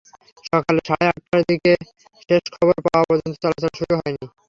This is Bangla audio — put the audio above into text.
সকাল সাড়ে আটটার দিকে শেষ খবর পাওয়া পর্যন্ত চলাচল শুরু হয়নি।